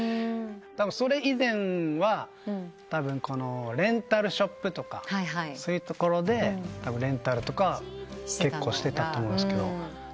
それ以前はレンタルショップとかそういうところでレンタルとか結構してたと思うんですけど。